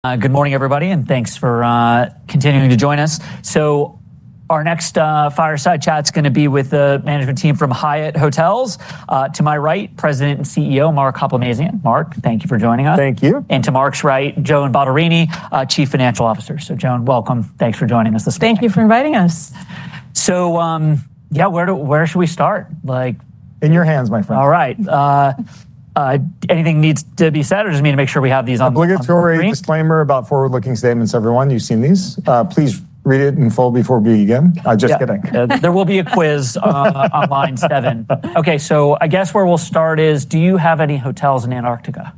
... Good morning, everybody, and thanks for continuing to join us. So our next fireside chat's going to be with the management team from Hyatt Hotels. To my right, President and CEO, Mark Hoplamazian. Mark, thank you for joining us. Thank you. To Mark's right, Joan Bottarini, Chief Financial Officer. So, Joan, welcome. Thanks for joining us this morning. Thank you for inviting us. So, yeah, where should we start? Like- In your hands, my friend. All right. Anything needs to be said, or just need to make sure we have these on- Obligatory- on the screen... disclaimer about forward-looking statements, everyone. You've seen these. Please read it in full before we begin. Yeah. Just kidding. There will be a quiz, on line seven. Okay, so I guess where we'll start is: Do you have any hotels in Antarctica?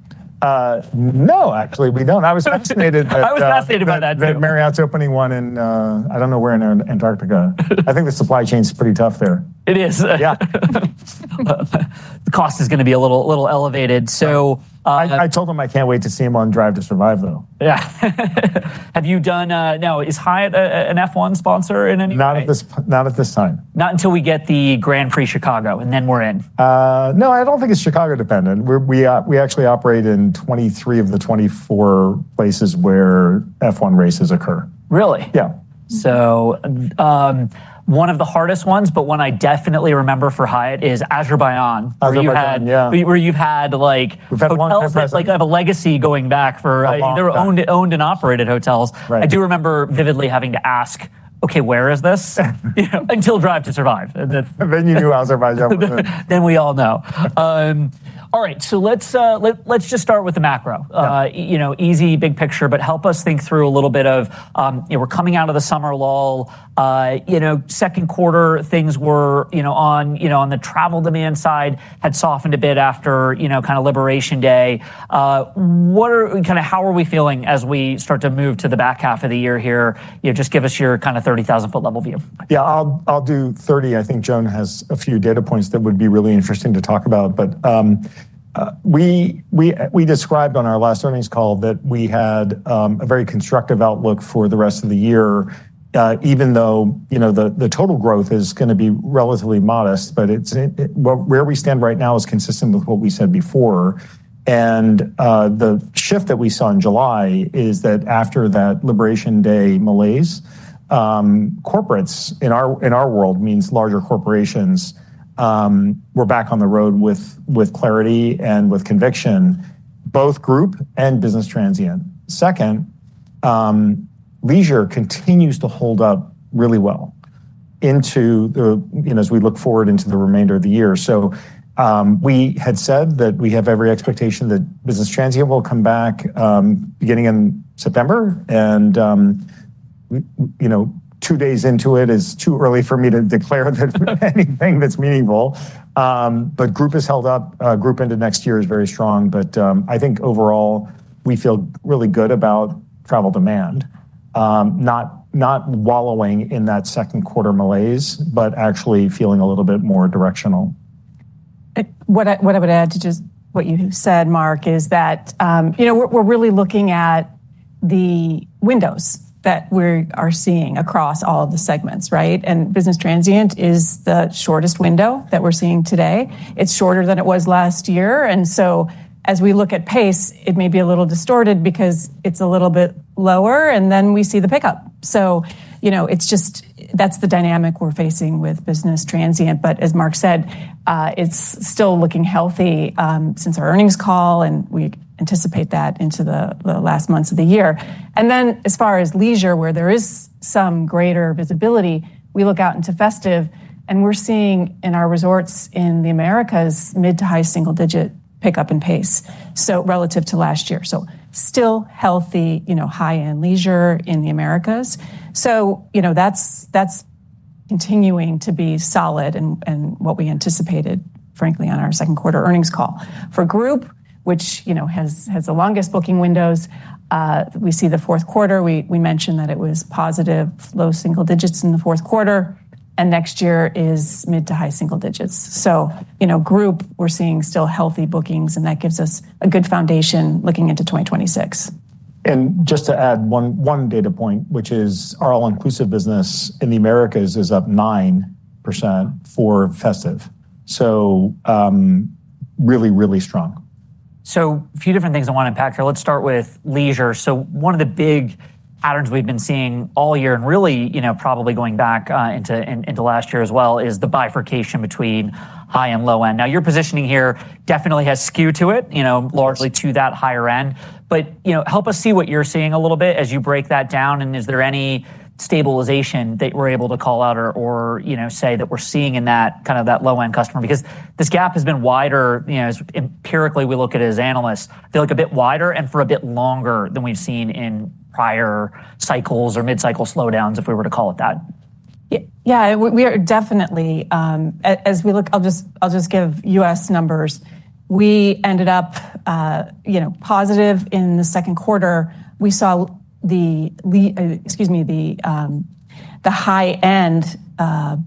No, actually, we don't. I was fascinated that, I was fascinated by that, too.... that Marriott's opening one in, I don't know where in Antarctica. I think the supply chain is pretty tough there. It is. Yeah. The cost is going to be a little, little elevated. So, I told him I can't wait to see him on Drive to Survive, though. Yeah. Now, is Hyatt an F1 sponsor in any way? Not at this time. Not until we get the Grand Prix Chicago, and then we're in. No, I don't think it's Chicago-dependent. We actually operate in 23 of the 24 places where F1 races occur. Really? Yeah. One of the hardest ones, but one I definitely remember for Hyatt is Azerbaijan. Azerbaijan, yeah... where you've had, like- We've had a long presence.... hotels that, like, have a legacy going back for a long- Long time. They're owned and operated hotels. Right. I do remember vividly having to ask, "Okay, where is this?" You know, until Drive to Survive. And then- Then you knew Azerbaijan was- Then we all know. All right, so let's just start with the macro. Yeah. You know, easy, big picture, but help us think through a little bit of, you know, we're coming out of the summer lull. You know, second quarter, things were, you know, on the travel demand side, had softened a bit after, you know, kind of Liberation Day. Kinda how are we feeling as we start to move to the back half of the year here? You know, just give us your kind of 30,000-ft-level view. Yeah, I'll do thirty. I think Joan has a few data points that would be really interesting to talk about. But we described on our last earnings call that we had a very constructive outlook for the rest of the year, even though you know the total growth is going to be relatively modest, but it's where we stand right now is consistent with what we said before. And the shift that we saw in July is that after that Liberation Day malaise corporates in our world means larger corporations were back on the road with clarity and with conviction, both group and business transient. Second, leisure continues to hold up really well into the you know as we look forward into the remainder of the year. We had said that we have every expectation that business transient will come back beginning in September, and you know, two days into it is too early for me to declare that anything that's meaningful. But group has held up. Group into next year is very strong, but I think overall, we feel really good about travel demand, not wallowing in that second quarter malaise, but actually feeling a little bit more directional. What I would add to just what you said, Mark, is that, you know, we're really looking at the windows that we're seeing across all the segments, right? And business transient is the shortest window that we're seeing today. It's shorter than it was last year, and so as we look at pace, it may be a little distorted because it's a little bit lower, and then we see the pickup. So, you know, it's just that. That's the dynamic we're facing with business transient, but as Mark said, it's still looking healthy since our earnings call, and we anticipate that into the last months of the year. Then, as far as leisure, where there is some greater visibility, we look out into Festive, and we're seeing in our resorts in the Americas mid- to high-single-digit pickup in pace, so relative to last year. So still healthy, you know, high-end leisure in the Americas. So, you know, that's continuing to be solid and what we anticipated, frankly, on our second quarter earnings call. For group, which, you know, has the longest booking windows, we see the fourth quarter. We mentioned that it was positive, low-single-digits in the fourth quarter, and next year is mid- to high-single-digits. So, you know, group, we're seeing still healthy bookings, and that gives us a good foundation looking into 2026. Just to add one data point, which is our all-inclusive business in the Americas is up 9% for Festive, so really, really strong. A few different things I want to unpack here. Let's start with leisure. One of the big patterns we've been seeing all year, and really, you know, probably going back into last year as well, is the bifurcation between high and low end. Now, your positioning here definitely has skew to it, you know. Yes... largely to that higher end. But, you know, help us see what you're seeing a little bit as you break that down, and is there any stabilization that we're able to call out or, you know, say that we're seeing in that kind of, that low-end customer? Because this gap has been wider, you know, as empirically we look at as analysts, feel like a bit wider and for a bit longer than we've seen in prior cycles or mid-cycle slowdowns, if we were to call it that. Yeah, we are definitely, as we look, I'll just give U.S. numbers. We ended up, you know, positive in the second quarter. We saw the high-end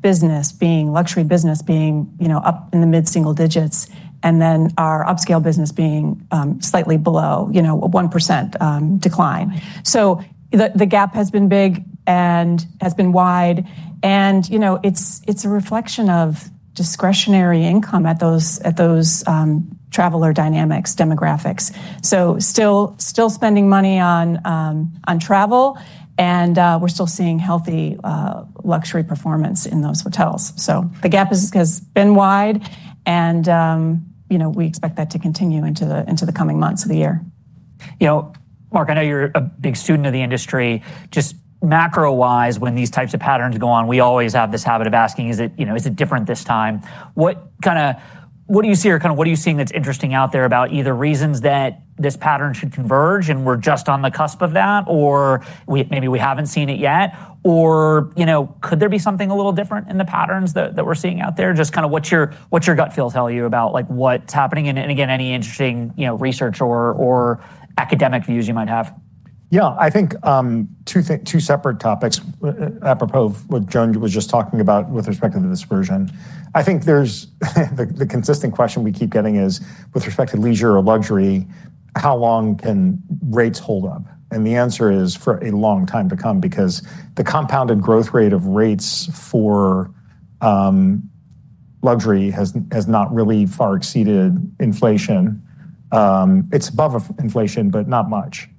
business being, luxury business being, you know, up in the mid-single digits, and then our upscale business being slightly below, you know, a 1% decline. So the gap has been big and has been wide, and, you know, it's a reflection of discretionary income at those traveler dynamics, demographics. So still spending money on travel, and we're still seeing healthy luxury performance in those hotels. So the gap has been wide, and you know, we expect that to continue into the coming months of the year.... You know, Mark, I know you're a big student of the industry. Just macro-wise, when these types of patterns go on, we always have this habit of asking: Is it, you know, is it different this time? What kinda, what do you see or kind of what are you seeing that's interesting out there about either reasons that this pattern should converge, and we're just on the cusp of that, or we, maybe we haven't seen it yet? Or, you know, could there be something a little different in the patterns that, that we're seeing out there? Just kinda what's your, what's your gut feel tell you about, like, what's happening, and, and again, any interesting, you know, research or, or academic views you might have? Yeah, I think, two separate topics apropos of what Joan was just talking about with respect to the dispersion. I think there's the consistent question we keep getting is, with respect to leisure or luxury, how long can rates hold up? And the answer is for a long time to come because the compounded growth rate of rates for luxury has not really far exceeded inflation. It's above inflation, but not much,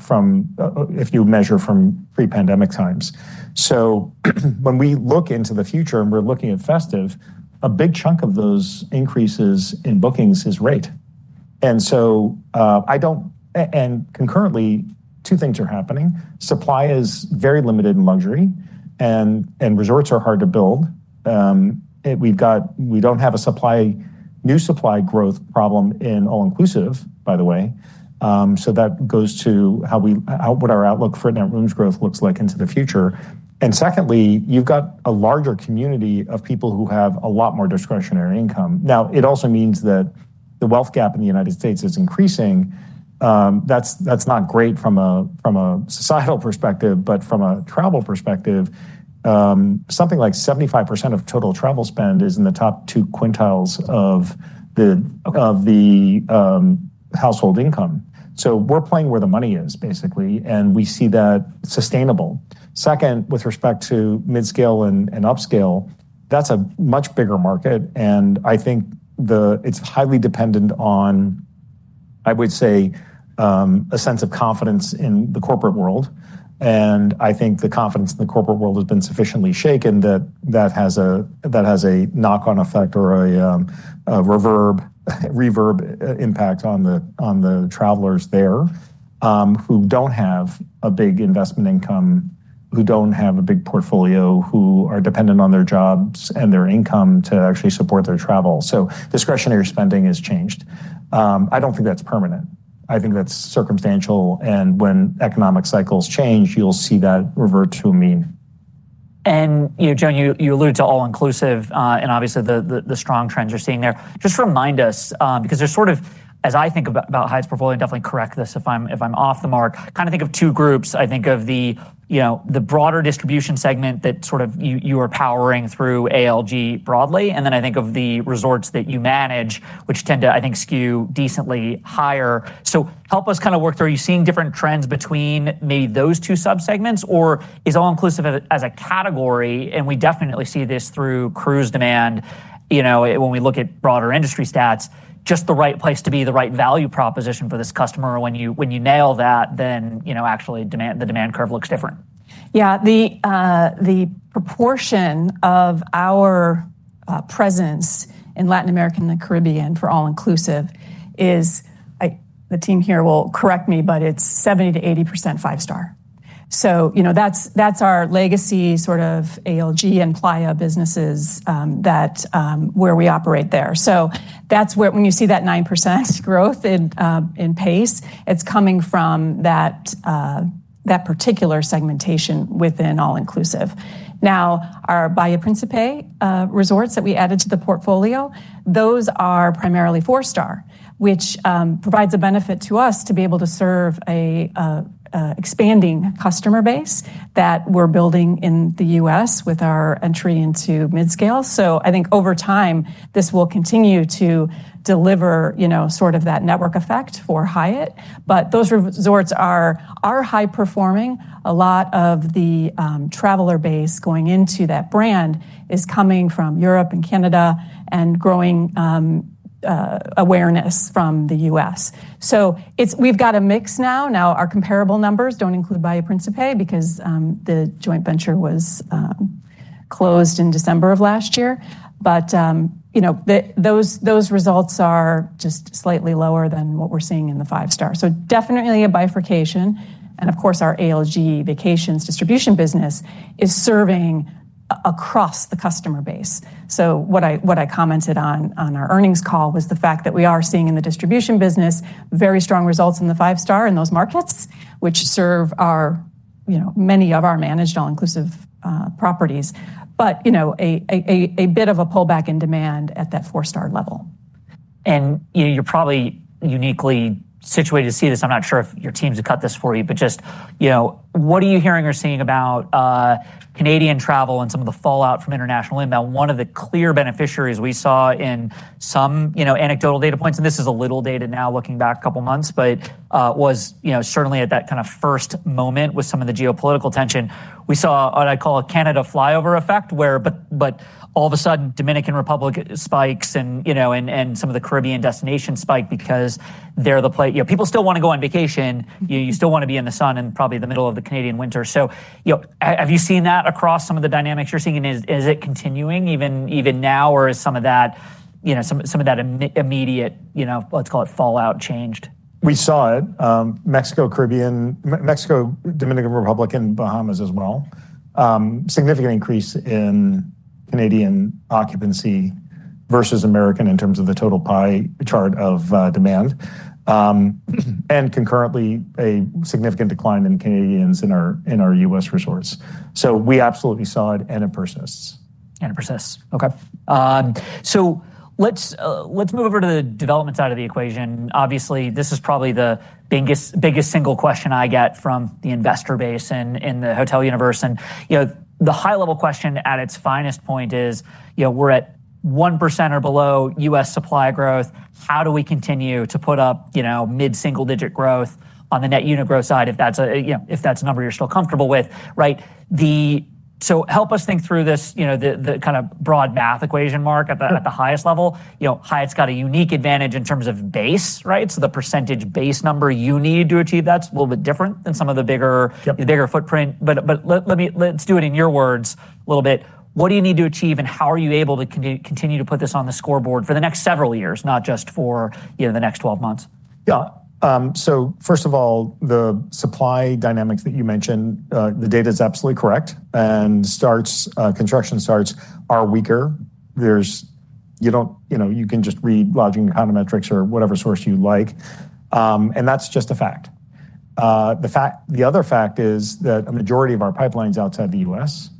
from if you measure from pre-pandemic times. So, when we look into the future, and we're looking at festive, a big chunk of those increases in bookings is rate. And so, and concurrently, two things are happening. Supply is very limited in luxury, and resorts are hard to build. We don't have a new supply growth problem in all-inclusive, by the way. So that goes to what our outlook for net rooms growth looks like into the future. And secondly, you've got a larger community of people who have a lot more discretionary income. Now, it also means that the wealth gap in the United States is increasing. That's not great from a societal perspective, but from a travel perspective, something like 75% of total travel spend is in the top two quintiles of the- Okay... of the household income, so we're playing where the money is, basically, and we see that sustainable. Second, with respect to mid-scale and upscale, that's a much bigger market, and I think it's highly dependent on, I would say, a sense of confidence in the corporate world, and I think the confidence in the corporate world has been sufficiently shaken, that that has a knock-on effect or a reverb impact on the travelers there, who don't have a big investment income, who don't have a big portfolio, who are dependent on their jobs and their income to actually support their travel, so discretionary spending has changed. I don't think that's permanent. I think that's circumstantial, and when economic cycles change, you'll see that revert to a mean. You know, Joan, you allude to all-inclusive, and obviously, the strong trends you're seeing there. Just remind us, because there's sort of, as I think about Hyatt's portfolio, and definitely correct this, if I'm off the mark, kinda think of two groups. I think of the, you know, the broader distribution segment that sort of you are powering through ALG broadly, and then I think of the resorts that you manage, which tend to, I think, skew decently higher. So help us kinda work through. Are you seeing different trends between maybe those two subsegments, or is all-inclusive as a category, and we definitely see this through cruise demand, you know, when we look at broader industry stats, just the right place to be, the right value proposition for this customer, or when you nail that, then, you know, actually, the demand curve looks different? Yeah. The proportion of our presence in Latin America and the Caribbean for all-inclusive is, I... the team here will correct me, but it's 70%-80% five-star. So, you know, that's our legacy, sort of ALG and Playa businesses, that where we operate there. So that's where when you see that 9% growth in pace, it's coming from that particular segmentation within all-inclusive. Now, our Bahia Principe resorts that we added to the portfolio, those are primarily four-star, which provides a benefit to us to be able to serve an expanding customer base that we're building in the U.S. with our entry into mid-scale. So I think over time, this will continue to deliver, you know, sort of that network effect for Hyatt. But those resorts are high-performing. A lot of the traveler base going into that brand is coming from Europe and Canada and growing awareness from the U.S. So it's we've got a mix now. Now, our comparable numbers don't include Bahia Principe because the joint venture was closed in December of last year. But you know, those results are just slightly lower than what we're seeing in the five-star. So definitely a bifurcation, and of course, our ALG Vacations distribution business is serving across the customer base. So what I commented on, on our earnings call was the fact that we are seeing in the distribution business very strong results in the five-star in those markets, which serve our you know, many of our managed all-inclusive properties. But, you know, a bit of a pullback in demand at that four-star level. You know, you're probably uniquely situated to see this. I'm not sure if your teams have cut this for you, but just, you know, what are you hearing or seeing about Canadian travel and some of the fallout from international inbound? One of the clear beneficiaries we saw in some, you know, anecdotal data points, and this is a little dated now, looking back a couple of months, but, you know, certainly at that kind of first moment with some of the geopolitical tension, we saw what I call a Canada flyover effect, but all of a sudden, Dominican Republic spikes and, you know, some of the Caribbean destinations spike because they're the place. You know, people still want to go on vacation. You still want to be in the sun in probably the middle of the Canadian winter. So, you know, have you seen that across some of the dynamics you're seeing, and is it continuing even now, or is some of that, you know, some of that immediate, you know, let's call it fallout, changed?... We saw it, Mexico, Caribbean, Mexico, Dominican Republic, and Bahamas as well. Significant increase in Canadian occupancy versus American in terms of the total pie chart of demand, and concurrently, a significant decline in Canadians in our U.S. resorts. So we absolutely saw it, and it persists. It persists. Okay. So let's move over to the development side of the equation. Obviously, this is probably the biggest single question I get from the investor base and in the hotel universe. And, you know, the high-level question at its finest point is, you know, we're at 1% or below U.S. supply growth. How do we continue to put up, you know, mid-single-digit growth on the net unit growth side, if that's, you know, if that's a number you're still comfortable with, right? So help us think through this, you know, the kind of broad math equation, Mark, at the highest level. You know, Hyatt's got a unique advantage in terms of base, right? So the percentage base number you need to achieve, that's a little bit different than some of the bigger- Yep. the bigger footprint. But let me, let's do it in your words a little bit. What do you need to achieve, and how are you able to continue to put this on the scoreboard for the next several years, not just for, you know, the next 12 months? Yeah, so first of all, the supply dynamics that you mentioned, the data is absolutely correct, and starts, construction starts are weaker. You know, you can just read Lodging Econometrics or whatever source you like, and that's just a fact. The fact, the other fact is that a majority of our pipeline's outside the U.S.,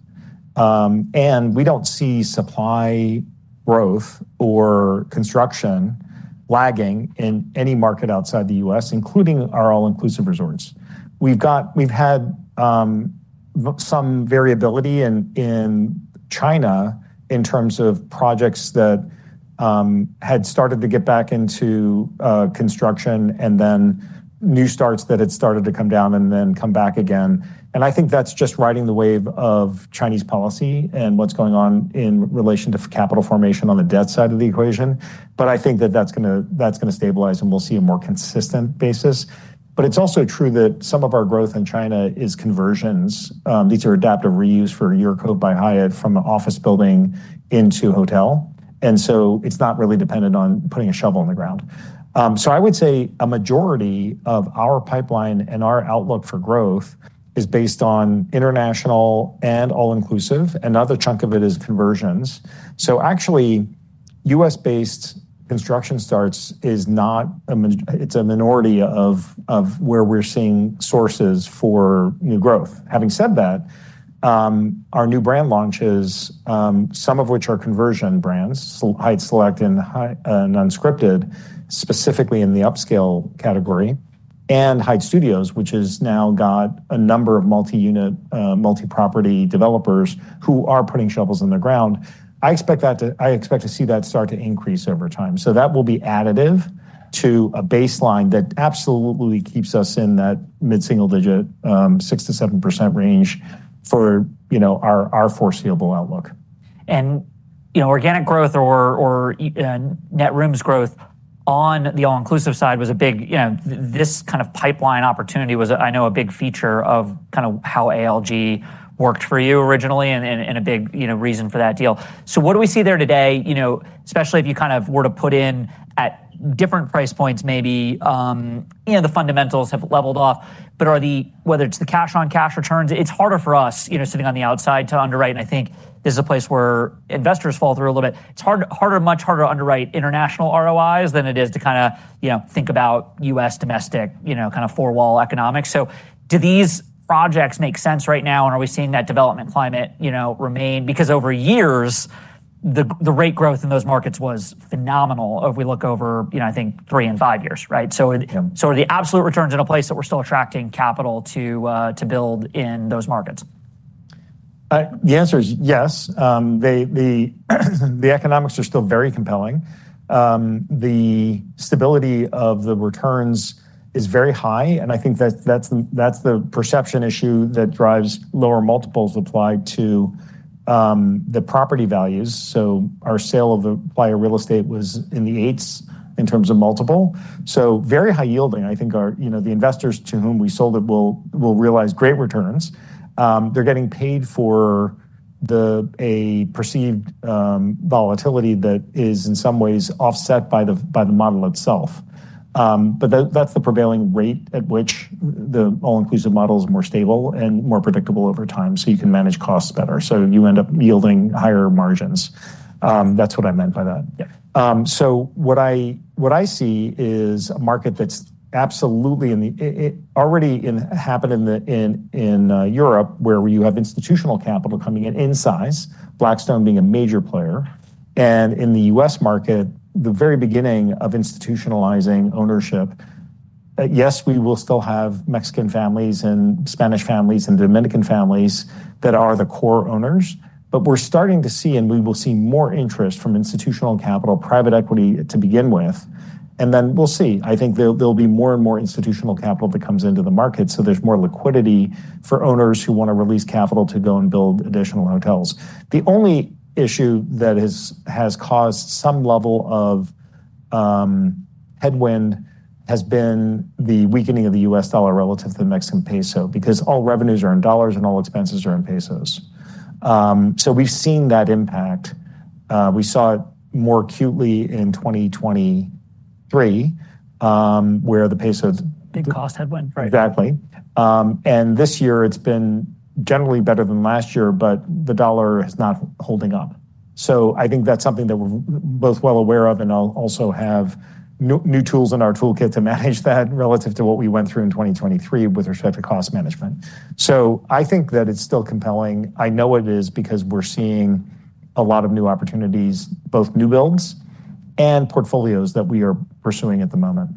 and we don't see supply growth or construction lagging in any market outside the U.S., including our all-inclusive resorts. We've had some variability in China in terms of projects that had started to get back into construction, and then new starts that had started to come down and then come back again, and I think that's just riding the wave of Chinese policy and what's going on in relation to capital formation on the debt side of the equation. But I think that that's gonna stabilize, and we'll see a more consistent basis. But it's also true that some of our growth in China is conversions. These are adaptive reuse for UrCove by Hyatt from an office building into hotel, and so it's not really dependent on putting a shovel in the ground. So I would say a majority of our pipeline and our outlook for growth is based on international and all-inclusive, another chunk of it is conversions. So actually, U.S.-based construction starts is not a majority; it's a minority of where we're seeing sources for new growth. Having said that, our new brand launches, some of which are conversion brands, so Hyatt Select and high- and Unscripted, specifically in the upscale category, and Hyatt Studios, which has now got a number of multi-unit, multi-property developers who are putting shovels in the ground. I expect to see that start to increase over time. So that will be additive to a baseline that absolutely keeps us in that mid-single digit, 6%-7% range for, you know, our foreseeable outlook. And, you know, organic growth or net rooms growth on the all-inclusive side was a big, you know, this kind of pipeline opportunity was, I know, a big feature of kind of how ALG worked for you originally and, and a big, you know, reason for that deal. So what do we see there today? You know, especially if you kind of were to put in at different price points, maybe, you know, the fundamentals have leveled off, but are they whether it's the cash-on-cash returns, it's harder for us, you know, sitting on the outside, to underwrite. And I think this is a place where investors fall through a little bit. It's harder, much harder to underwrite international ROIs than it is to kind of, you know, think about U.S. domestic, you know, kind of four-wall economics. So do these projects make sense right now, and are we seeing that development climate, you know, remain? Because over years, the rate growth in those markets was phenomenal, if we look over, you know, I think three and five years, right? So- Yep. Are the absolute returns in a place that we're still attracting capital to build in those markets? The answer is yes. The economics are still very compelling. The stability of the returns is very high, and I think that's the perception issue that drives lower multiples applied to the property values. So our sale of the Playa real estate was in the eights in terms of multiple, so very high yielding. I think, you know, the investors to whom we sold it will realize great returns. They're getting paid for a perceived volatility that is in some ways offset by the model itself. But that's the prevailing rate at which the all-inclusive model is more stable and more predictable over time, so you can manage costs better, so you end up yielding higher margins. That's what I meant by that. Yeah. So what I see is a market that's absolutely in the. It already happened in Europe, where you have institutional capital coming in in size, Blackstone being a major player, and in the U.S. market, the very beginning of institutionalizing ownership. Yes, we will still have Mexican families and Spanish families and Dominican families that are the core owners, but we're starting to see, and we will see more interest from institutional capital, private equity to begin with, and then we'll see. I think there'll be more and more institutional capital that comes into the market, so there's more liquidity for owners who want to release capital to go and build additional hotels. The only issue that has caused some level of headwind has been the weakening of the U.S. dollar relative to the Mexican peso, because all revenues are in dollars, and all expenses are in pesos. So we've seen that impact. We saw it more acutely in 2023, where the pace of- Big cost headwind, right? Exactly, and this year it's been generally better than last year, but the dollar is not holding up, so I think that's something that we're both well aware of, and I'll also have new tools in our toolkit to manage that relative to what we went through in 2023 with respect to cost management, so I think that it's still compelling. I know it is because we're seeing a lot of new opportunities, both new builds and portfolios that we are pursuing at the moment.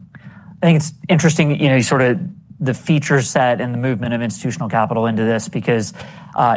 I think it's interesting, you know, sort of the feature set and the movement of institutional capital into this, because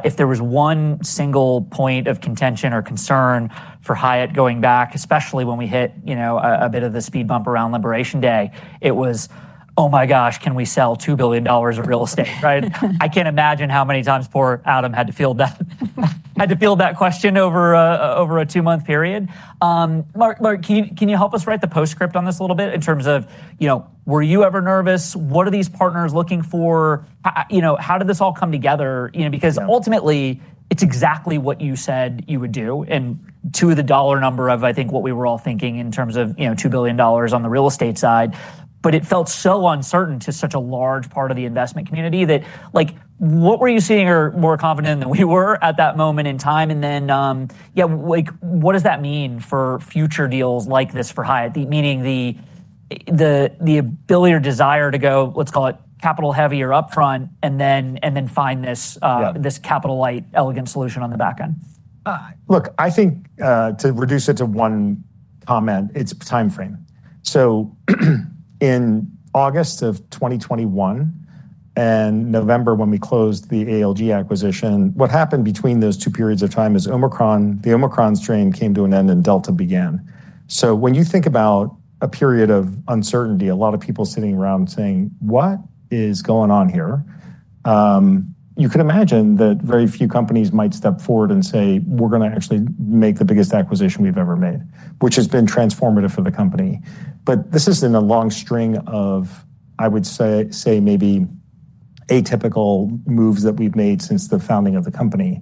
if there was one single point of contention or concern for Hyatt going back, especially when we hit, you know, a bit of the speed bump around Liberation Day, it was, "Oh my gosh, can we sell $2 billion of real estate?" Right? I can't imagine how many times poor Adam had to field that question over a two-month period. Mark, can you help us write the postscript on this a little bit in terms of, you know, were you ever nervous? What are these partners looking for? How, you know, how did this all come together? You know, because ultimately, it's exactly what you said you would do, and to the dollar number of, I think, what we were all thinking in terms of, you know, $2 billion on the real estate side. But it felt so uncertain to such a large part of the investment community that, like, what were you seeing or more confident than we were at that moment in time? And then, yeah, like, what does that mean for future deals like this for Hyatt? Meaning the ability or desire to go, let's call it, capital heavy or upfront, and then find this. Yeah... this capital-light, elegant solution on the back end. Look, I think, to reduce it to one comment, it's time frame. So in August of 2021 and November, when we closed the ALG acquisition, what happened between those two periods of time is Omicron, the Omicron strain came to an end, and Delta began. So when you think about a period of uncertainty, a lot of people sitting around saying: What is going on here? You can imagine that very few companies might step forward and say, "We're gonna actually make the biggest acquisition we've ever made," which has been transformative for the company. But this is in a long string of, I would say, maybe atypical moves that we've made since the founding of the company.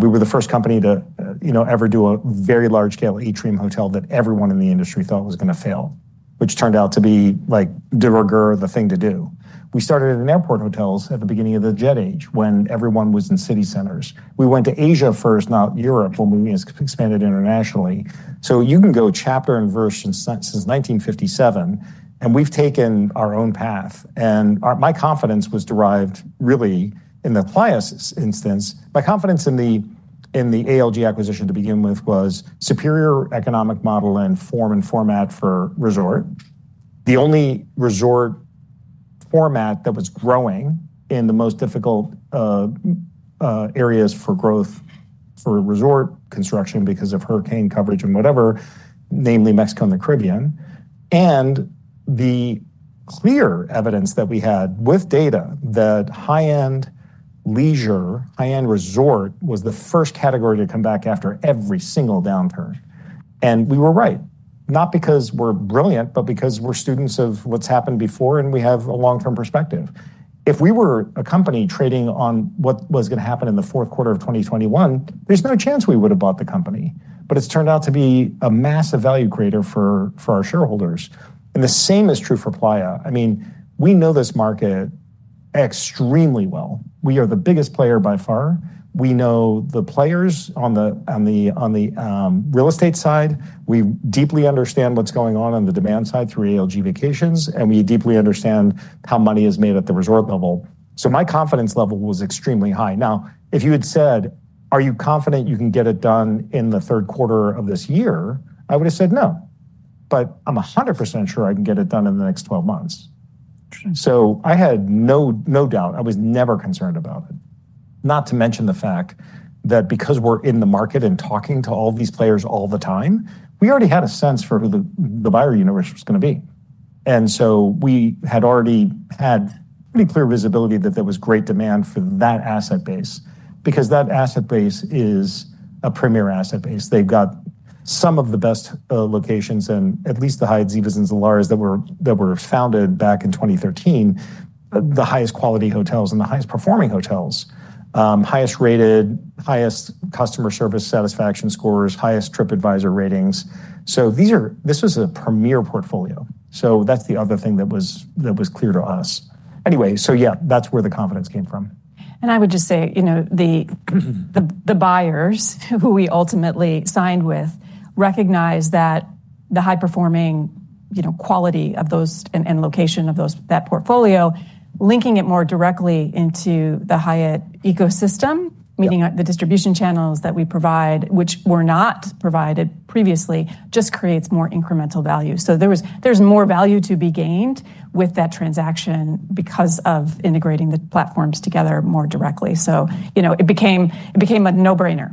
We were the first company to, you know, ever do a very large-scale atrium hotel that everyone in the industry thought was gonna fail, which turned out to be like de rigueur, the thing to do. We started in airport hotels at the beginning of the jet age, when everyone was in city centers. We went to Asia first, not Europe, when we expanded internationally. So you can go chapter and verse since 1957, and we've taken our own path, and our, my confidence was derived, really, in the Playa instance. My confidence in the ALG acquisition to begin with was superior economic model and form and format for resort. The only resort format that was growing in the most difficult areas for growth for resort construction because of hurricane coverage and whatever, namely Mexico and the Caribbean. The clear evidence that we had with data, that high-end leisure, high-end resort, was the first category to come back after every single downturn. We were right, not because we're brilliant, but because we're students of what's happened before, and we have a long-term perspective. If we were a company trading on what was gonna happen in the fourth quarter of 2021, there's no chance we would have bought the company, but it's turned out to be a massive value creator for our shareholders. The same is true for Playa. I mean, we know this market extremely well. We are the biggest player by far. We know the players on the real estate side. We deeply understand what's going on on the demand side through ALG Vacations, and we deeply understand how money is made at the resort level. So my confidence level was extremely high. Now, if you had said: Are you confident you can get it done in the third quarter of this year? I would have said no, but I'm 100% sure I can get it done in the next 12 months. Interesting. I had no doubt. I was never concerned about it. Not to mention the fact that because we're in the market and talking to all these players all the time, we already had a sense for who the buyer universe was gonna be. And so we had already had pretty clear visibility that there was great demand for that asset base, because that asset base is a premier asset base. They've got some of the best locations and at least the Hyatts, Zivas and Zilaras that were founded back in 2013, the highest quality hotels and the highest performing hotels, highest rated, highest customer service satisfaction scores, highest Tripadvisor ratings. So these are this was a premier portfolio. That's the other thing that was clear to us. Anyway, yeah, that's where the confidence came from. And I would just say, you know, the buyers, who we ultimately signed with, recognized that the high-performing, you know, quality of those and location of those, that portfolio, linking it more directly into the Hyatt ecosystem. Meaning the distribution channels that we provide, which were not provided previously, just creates more incremental value. So there was, there's more value to be gained with that transaction because of integrating the platforms together more directly. So, you know, it became a no-brainer....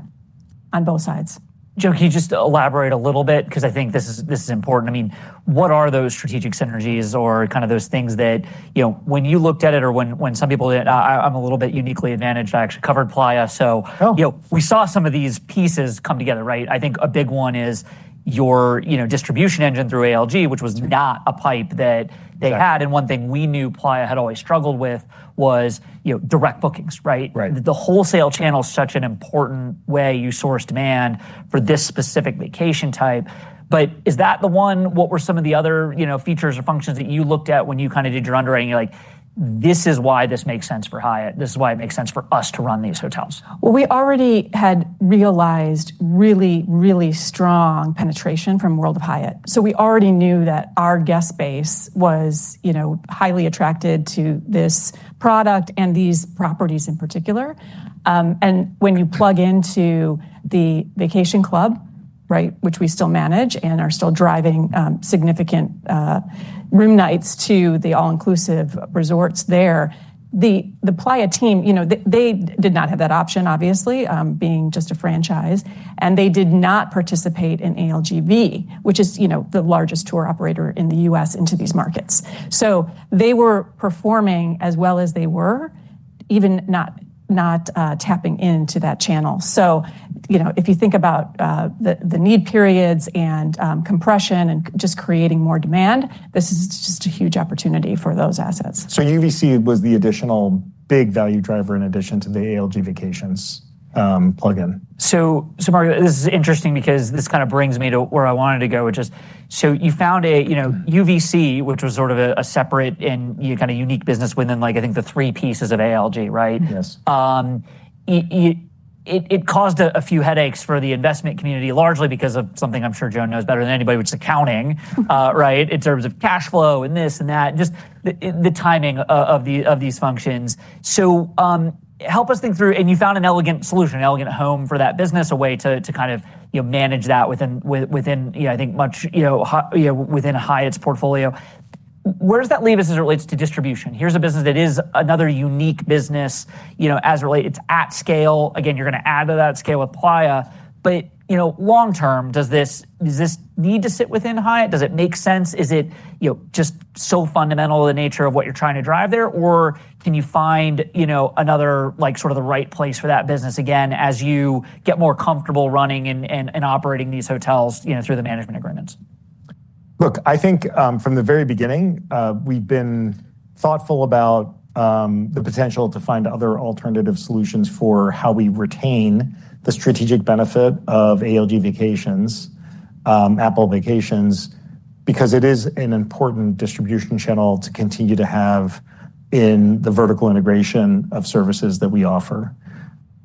on both sides. Jo, can you just elaborate a little bit? Because I think this is important. I mean, what are those strategic synergies or kind of those things that, you know, when you looked at it or when some people-- I'm a little bit uniquely advantaged. I actually covered Playa, so- Oh. You know, we saw some of these pieces come together, right? I think a big one is your, you know, distribution engine through ALG, which was not a pipe that they had. Yeah. One thing we knew Playa had always struggled with was, you know, direct bookings, right? Right. The wholesale channel is such an important way you source demand for this specific vacation type, but is that the one, what were some of the other, you know, features or functions that you looked at when you kind of did your underwriting, and you're like: "This is why this makes sense for Hyatt. This is why it makes sense for us to run these hotels? We already had realized really, really strong penetration from World of Hyatt. We already knew that our guest base was, you know, highly attracted to this product and these properties in particular. When you plug into the vacation club, right, which we still manage and are still driving significant room nights to the all-inclusive resorts there, the Playa team, you know, they did not have that option, obviously, being just a franchise, and they did not participate in ALGV, which is, you know, the largest tour operator in the U.S. into these markets. They were performing as well as they were, even not tapping into that channel. You know, if you think about the need periods and compression and just creating more demand, this is just a huge opportunity for those assets. So UVC was the additional big value driver in addition to the ALG Vacations plug-in. So, Mark, this is interesting because this kind of brings me to where I wanted to go, which is, so you found a, you know, UVC, which was sort of a separate and unique business within, like, I think, the three pieces of ALG, right? Yes. It caused a few headaches for the investment community, largely because of something I'm sure Jo knows better than anybody, which is accounting, right, in terms of cash flow and this and that, just the timing of these functions. So, help us think through... and you found an elegant solution, an elegant home for that business, a way to kind of, you know, manage that within, within you know I think much, you know, within Hyatt's portfolio. Where does that leave us as it relates to distribution? Here's a business that is another unique business, you know, as relates, it's at scale. Again, you're going to add to that scale with Playa, but, you know, long-term, does this need to sit within Hyatt? Does it make sense? Is it, you know, just so fundamental, the nature of what you're trying to drive there, or can you find, you know, another, like, sort of the right place for that business again, as you get more comfortable running and operating these hotels, you know, through the management agreements? Look, I think, from the very beginning, we've been thoughtful about the potential to find other alternative solutions for how we retain the strategic benefit of ALG Vacations, Apple Vacations, because it is an important distribution channel to continue to have in the vertical integration of services that we offer.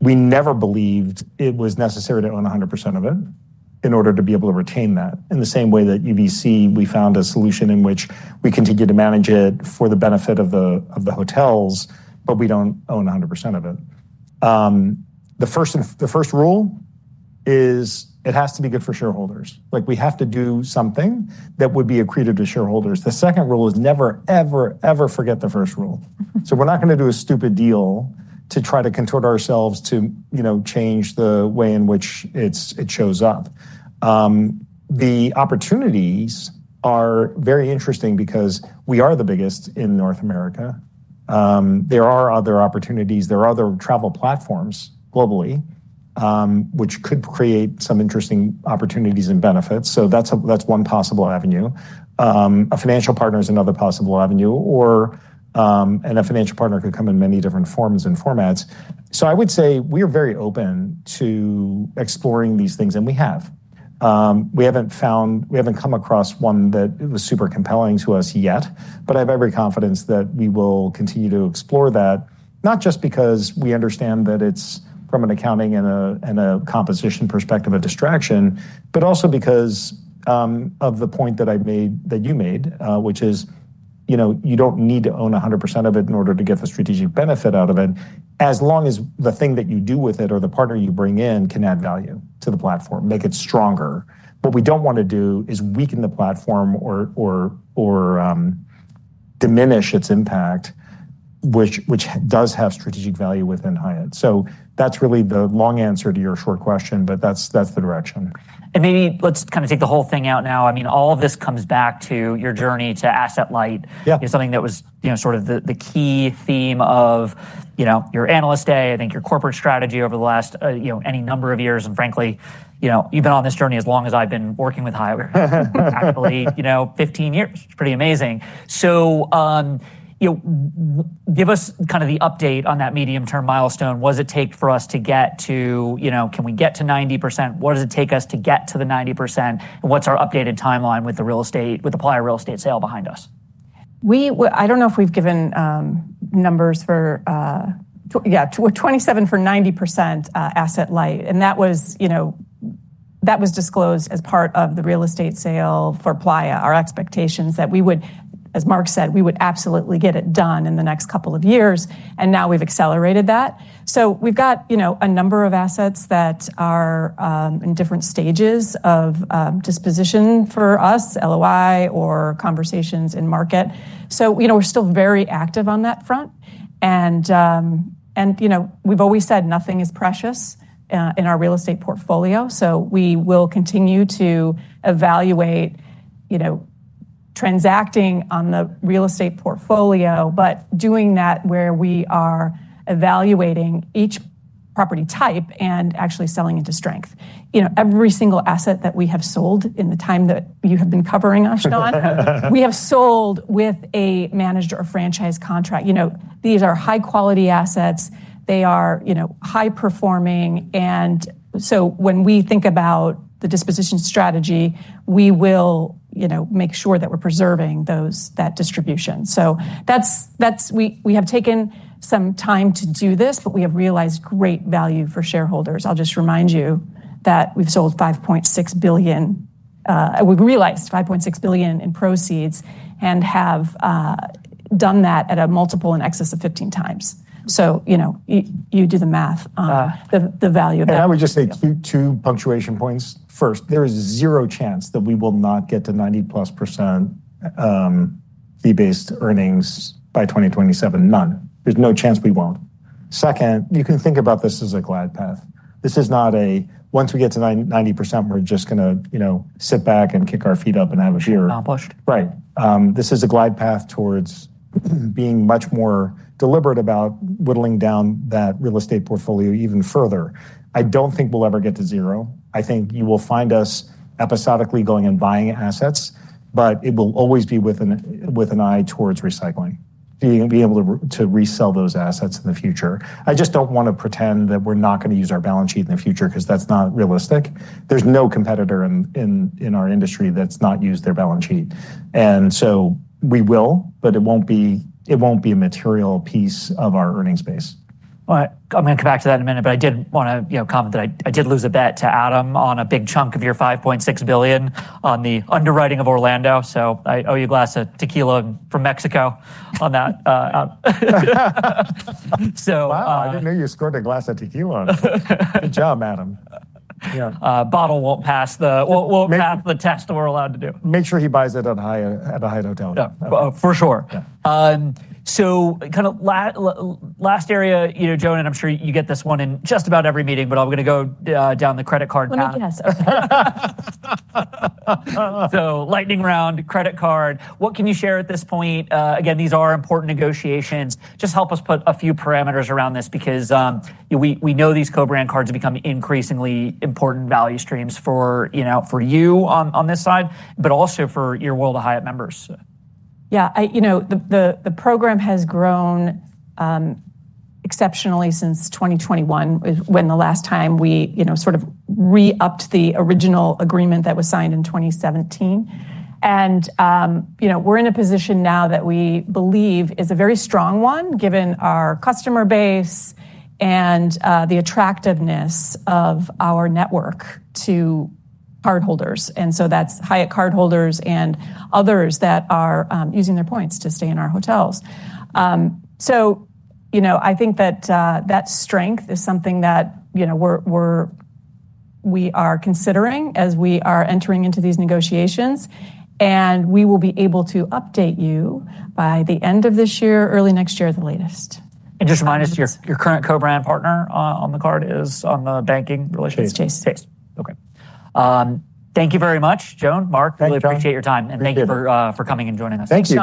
We never believed it was necessary to own 100% of it in order to be able to retain that. In the same way that UVC, we found a solution in which we continue to manage it for the benefit of the hotels, but we don't own 100% of it. The first rule is it has to be good for shareholders. Like, we have to do something that would be accretive to shareholders. The second rule is never, ever, ever forget the first rule. So we're not going to do a stupid deal to try to contort ourselves to, you know, change the way in which it's, it shows up. The opportunities are very interesting because we are the biggest in North America. There are other opportunities. There are other travel platforms globally, which could create some interesting opportunities and benefits. So that's one possible avenue. A financial partner is another possible avenue, or, and a financial partner could come in many different forms and formats. So I would say we are very open to exploring these things, and we have. We haven't come across one that was super compelling to us yet, but I have every confidence that we will continue to explore that, not just because we understand that it's from an accounting and composition perspective a distraction, but also because of the point that I made, that you made, which is, you know, you don't need to own 100% of it in order to get the strategic benefit out of it, as long as the thing that you do with it or the partner you bring in can add value to the platform, make it stronger. What we don't want to do is weaken the platform or diminish its impact, which does have strategic value within Hyatt. So that's really the long answer to your short question, but that's the direction. Maybe let's kind of take the whole thing out now. I mean, all of this comes back to your journey to asset-light- Yeah... is something that was, you know, sort of the, the key theme of, you know, your Analyst Day, I think your corporate strategy over the last, you know, any number of years. And frankly, you know, you've been on this journey as long as I've been working with Hyatt. Practically, you know, fifteen years, which is pretty amazing. So, you know, give us kind of the update on that medium-term milestone. What does it take for us to get to, you know, can we get to 90%? What does it take us to get to the 90%, and what's our updated timeline with the real estate, with the Playa real estate sale behind us? Well, I don't know if we've given numbers for. Yeah, 27 for 90% asset light, and that was, you know, that was disclosed as part of the real estate sale for Playa. Our expectations that we would, as Mark said, we would absolutely get it done in the next couple of years, and now we've accelerated that. So we've got, you know, a number of assets that are in different stages of disposition for us, LOI or conversations in market. So, you know, we're still very active on that front. And, you know, we've always said nothing is precious in our real estate portfolio, so we will continue to evaluate transacting on the real estate portfolio, but doing that where we are evaluating each property type and actually selling into strength. You know, every single asset that we have sold in the time that you have been covering us, Shaun, we have sold with a managed or franchise contract. You know, these are high-quality assets. They are, you know, high-performing, and so when we think about the disposition strategy, we will, you know, make sure that we're preserving those, that distribution. So that's. We have taken some time to do this, but we have realized great value for shareholders. I'll just remind you that we've sold $5.6 billion. We've realized $5.6 billion in proceeds and have done that at a multiple in excess of 15x. So, you know, you do the math on- Ah the value of that. I would just say two punctuation points. First, there is zero chance that we will not get to 90%+ fee-based earnings by 2027. None. There's no chance we won't. Second, you can think about this as a glide path. This is not a once we get to ninety percent, we're just gonna, you know, sit back and kick our feet up and have a beer. Accomplished. Right. This is a glide path towards being much more deliberate about whittling down that real estate portfolio even further. I don't think we'll ever get to zero. I think you will find us episodically going and buying assets, but it will always be with an eye towards recycling, being able to resell those assets in the future. I just don't want to pretend that we're not going to use our balance sheet in the future because that's not realistic. There's no competitor in our industry that's not used their balance sheet. And so we will, but it won't be a material piece of our earnings base. I'm going to come back to that in a minute, but I did want to, you know, comment that I did lose a bet to Adam on a big chunk of your $5.6 billion on the underwriting of Orlando, so I owe you a glass of tequila from Mexico on that. So, Wow, I didn't know you scored a glass of tequila on it. Good job, Adam. Yeah. Bottle won't pass the won't. May- Pass the test we're allowed to do. Make sure he buys it at Hyatt, at a Hyatt Hotel. Yeah. For sure. Yeah. So kind of the last area, you know, Joan, and I'm sure you get this one in just about every meeting, but I'm going to go down the credit card path. Well, yes. So, lightning round, credit card, what can you share at this point? Again, these are important negotiations. Just help us put a few parameters around this because we know these co-brand cards are becoming increasingly important value streams for, you know, for you on this side, but also for your World of Hyatt members. Yeah, you know, the program has grown exceptionally since 2021, when the last time we, you know, sort of re-upped the original agreement that was signed in 2017. And, you know, we're in a position now that we believe is a very strong one, given our customer base and the attractiveness of our network to cardholders. And so that's Hyatt cardholders and others that are using their points to stay in our hotels. So, you know, I think that that strength is something that, you know, we are considering as we are entering into these negotiations, and we will be able to update you by the end of this year, early next year at the latest. Just remind us, your current co-brand partner on the card is on the banking relationship? It's Chase. Chase. Okay. Thank you very much, Joan, Mark. Thank you, Joan. Really appreciate your time. Appreciate it. And thank you for coming and joining us. Thanks, Shaun.